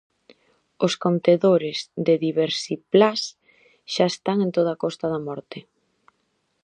Os contedores de Diversiplás xa están en toda a Costa da Morte.